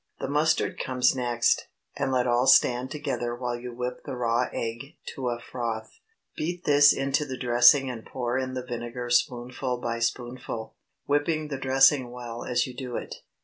The mustard comes next, and let all stand together while you whip the raw egg to a froth. Beat this into the dressing, and pour in the vinegar spoonful by spoonful, whipping the dressing well as you do it.